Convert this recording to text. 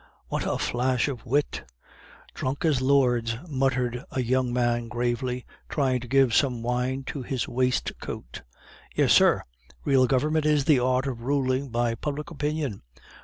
"What a flash of wit!" "Drunk as lords," muttered a young man gravely, trying to give some wine to his waistcoat. "Yes, sir; real government is the art of ruling by public opinion."